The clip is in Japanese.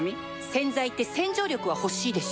洗剤って洗浄力は欲しいでしょ